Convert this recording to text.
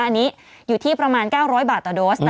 อันนี้อยู่ที่ประมาณ๙๐๐บาทต่อโดส